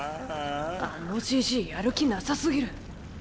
あのじじいやる気なさすぎる。